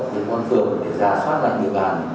đến quân phường để giả soát lại địa bàn